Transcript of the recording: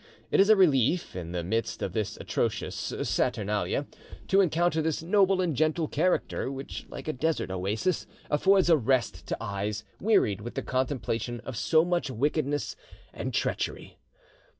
It is a relief, in the midst of this atrocious saturnalia to encounter this noble and gentle character, which like a desert oasis, affords a rest to eyes wearied with the contemplation of so much wickedness and treachery.